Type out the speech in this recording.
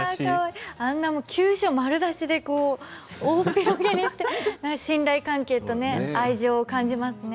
あんな急所丸出しでおおっぴろげにして信頼関係と愛情を感じますね。